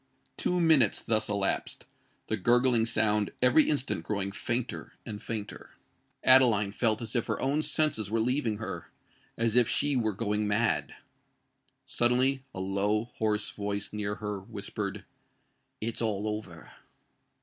Two minutes thus elapsed—the gurgling sound every instant growing fainter and fainter. Adeline felt as if her own senses were leaving her—as if she were going mad. Suddenly a low, hoarse voice near her whispered, "It's all over!"